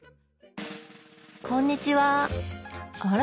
こんにちはあら？